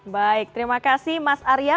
baik terima kasih mas arya